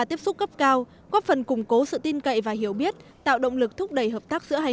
tiếp xúc cấp cao góp phần củng cố sự tin cậy và hiểu biết tạo động lực thúc đẩy hợp tác giữa hai